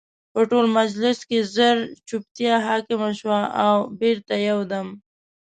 په ټول مجلس کې ژر جوپتیا حاکمه شوه او بېرته یو دم